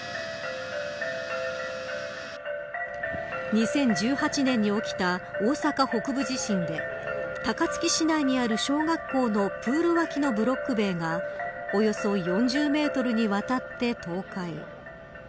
２０１８年に起きた大阪北部地震で高槻市内にある小学校のプール脇のブロック塀がおよそ４０メートルにわたって倒壊。